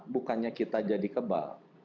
bukannya kita jadi kebal